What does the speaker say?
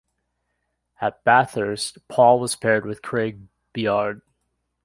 At Bathurst, Paul was paired with Craig Baird.